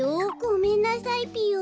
ごめんなさいぴよ。